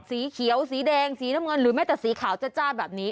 สีเขียวสีแดงสีน้ำเงินหรือแม้แต่สีขาวจ้าแบบนี้